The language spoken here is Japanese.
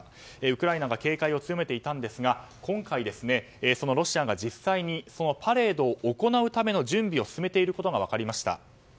ウクライナは警戒を強めていたんですが今回、そのロシアが実際にそのパレードを行うための準備を進めていることが分かりました。